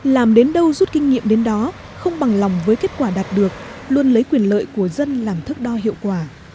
làm đến đâu rút kinh nghiệm đến đó không bằng lòng với kết quả đạt được luôn lấy quyền lợi của dân làm thức đo hiệu quả